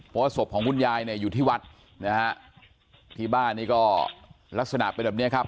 เพราะว่าศพของคุณยายเนี่ยอยู่ที่วัดนะฮะที่บ้านนี่ก็ลักษณะเป็นแบบเนี้ยครับ